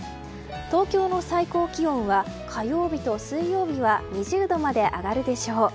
東京の最高気温は火曜日と水曜日は２０度まで上がるでしょう。